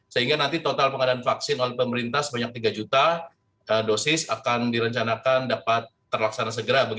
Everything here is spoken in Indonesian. sehingga nanti total pengadaan vaksin oleh pemerintah sebanyak tiga juta dosis akan direncanakan dapat terlaksana segera